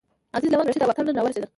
عزیز، لونګ، رشید او اتل نن راورسېدل.